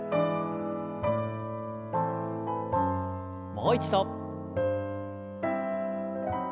もう一度。